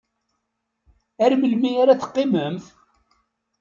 Ar melmi ara teqqimemt?